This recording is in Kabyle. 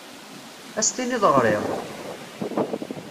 Ad as-tiniḍ ɣriɣ-d?